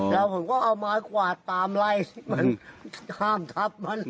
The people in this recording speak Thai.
แล้วผมก็เอาไม้กวาดตามไล่มันห้ามทับมัน